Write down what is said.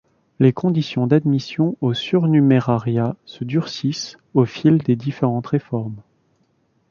Les conditions d'admission au surnumérariat se durcissent au fil des différentes réformes.